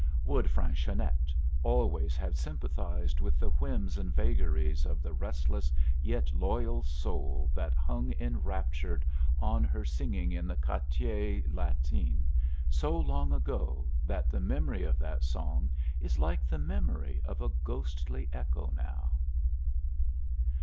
Would Fanchonette always have sympathized with the whims and vagaries of the restless yet loyal soul that hung enraptured on her singing in the Quartier Latin so long ago that the memory of that song is like the memory of a ghostly echo now?